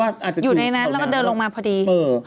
แล้วก็เดินลงมาพอดี